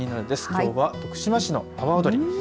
きょうは徳島市の阿波おどり。